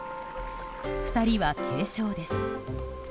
２人は軽傷です。